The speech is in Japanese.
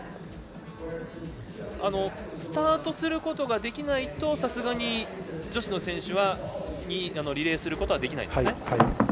スタートすることができないとさすがに女子の選手にリレーすることはできないんです。